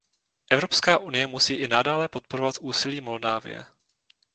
Evropská unie musí i nadále podporovat úsilí Moldávie.